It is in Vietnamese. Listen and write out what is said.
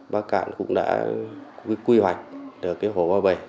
bắc cạn cũng đã quy hoạch được cái hồ ba bẻ